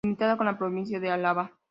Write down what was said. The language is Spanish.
Limita con la provincia de Álava.